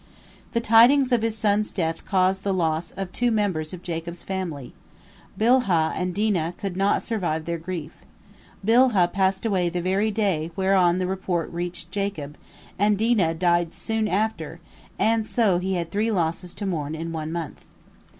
The tidings of his son's death caused the loss of two members of Jacob's family. Bilhah and Dinah could not survive their grief. Bilhah passed away the very day whereon the report reached Jacob, and Dinah died soon after, and so he had three losses to mourn in one month.